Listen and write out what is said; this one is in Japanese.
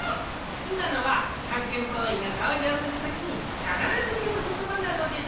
いまのはたんけんボーイがとうじょうするときにかならずいうことばなのです！